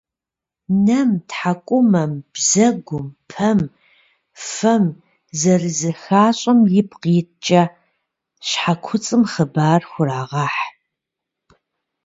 Нэм, тхьэкӏумэм, бзэгум, пэм, фэм зэрызыхащӏэм ипкъ иткӏэ щхьэкуцӏым хъыбар «хурагъэхь».